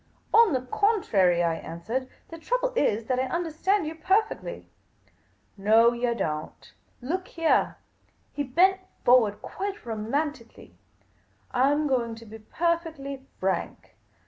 " On the contrary," I answered, " the trouble is — that I understand you perfectly." " No, yah don't. Look heah." He bent forward quite romantically. " I 'm going to be perfectly frank.